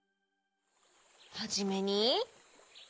はじめに。